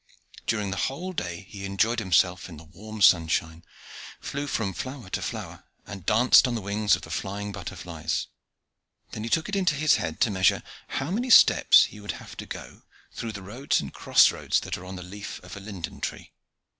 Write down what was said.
During the whole day he enjoyed himself in the warm sunshine, flew from flower to flower, and danced on the wings of the flying butterflies. Then he took it into his head to measure how many steps he would have to go through the roads and cross roads that are on the leaf of a linden tree.